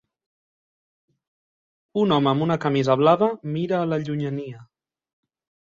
Un home amb una camisa blava mira a la llunyania.